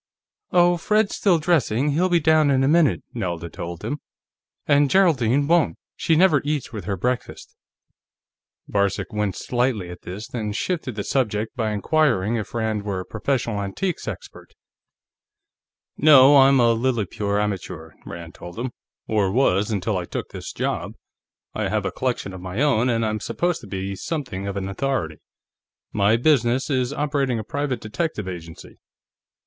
"Oh, Fred's still dressing; he'll be down in a minute," Nelda told him. "And Geraldine won't; she never eats with her breakfast." Varcek winced slightly at this, and shifted the subject by inquiring if Rand were a professional antiques expert. "No, I'm a lily pure amateur," Rand told him. "Or was until I took this job. I have a collection of my own, and I'm supposed to be something of an authority. My business is operating a private detective agency."